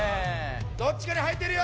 どっちかに入ってるよ